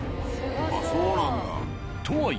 あっそうなんだ。